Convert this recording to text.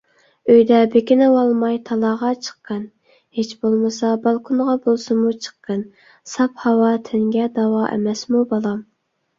ئۆيدە بېكىنىۋالماي، تالاغا چىققىن. ھىچ بولمىسا بالكۇنغا بولسىمۇ چىققىن، ساپ ھاۋا تەنگە داۋا ئەمەسمۇ بالام.